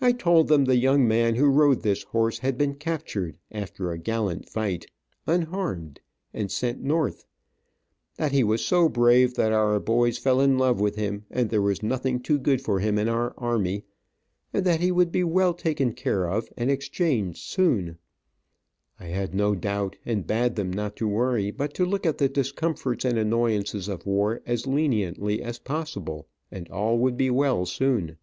I told them the young man who rode this horse had been captured, after a gallant fight, unharmed, and sent north. That he was so brave that our boys fell in love with him, and there was nothing too good for him in our army, and that he would be well taken care of, and exchanged soon, I had no doubt, and bade them not to worry, but to look at the discomforts and annoyances of war as leniently as possible, and all would be well soon.